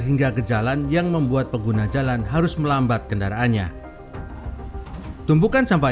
hingga ke jalan yang membuat pengguna jalan harus melambat kendaraannya tumpukan sampah